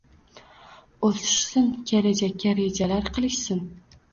o‘sishsin, kelajakka rejalar qilishsin